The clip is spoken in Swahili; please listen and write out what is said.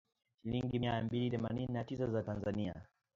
shilingi mia mbili themanini na tisa za Tanzania